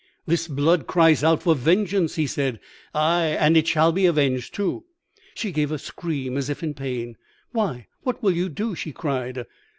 "'This blood cries out for vengeance,' he said; 'ay, and it shall be avenged too.' "She gave a scream as if in pain. 'Why, what will you do?' she cried.